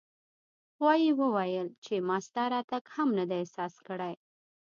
غوایي وویل چې ما ستا راتګ هم نه دی احساس کړی.